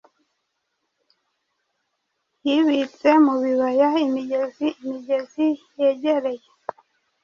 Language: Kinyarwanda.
Yibitse mubibaya imigezi-imigezi yegereye